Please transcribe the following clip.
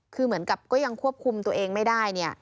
คือเหมือนกับก็ยังควบคุมตัวเองไม่ได้เนี่ย